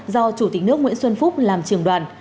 do chủ tịch nước nguyễn xuân phúc làm trưởng đoàn